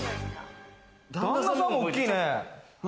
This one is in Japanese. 旦那様も大きいね。